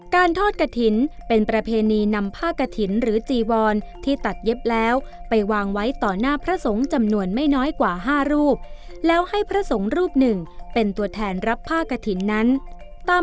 ทอดกระถิ่นเป็นประเพณีนำผ้ากระถิ่นหรือจีวรที่ตัดเย็บแล้วไปวางไว้ต่อหน้าพระสงฆ์จำนวนไม่น้อยกว่า๕รูปแล้วให้พระสงฆ์รูปหนึ่งเป็นตัวแทนรับผ้ากระถิ่นนั้นตาม